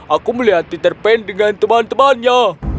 aku melihat peter pan dengan teman temannya